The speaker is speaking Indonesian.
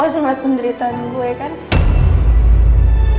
ya kayak gitu